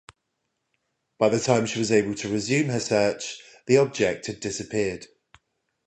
By the time she was able to resume her search, the object had disappeared.